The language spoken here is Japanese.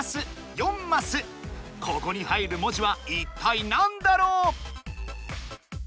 ここに入る文字はいったいなんだろう？